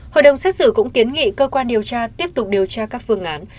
hội đồng xét xử cũng kiến nghị cơ quan điều tra tiếp tục điều tra các phương án